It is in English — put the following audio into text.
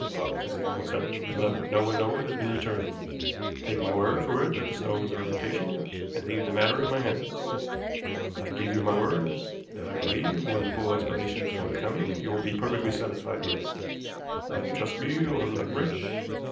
Lock this necklace up, and let no one know it has been returned. Take my word for it that the stones are imitation, and leave the matter in my hands. I give you my word that I believe, when the full explanation is forthcoming, you will be perfectly satisfied with it. Will you trust me, Lord Leconbridge?"